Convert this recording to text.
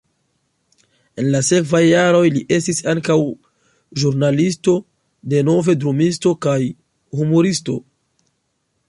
En la sekvaj jaroj li estis ankaŭ ĵurnalisto, denove drumisto kaj humuristo.